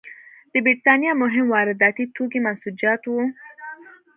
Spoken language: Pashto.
د برېټانیا مهم وارداتي توکي منسوجات وو.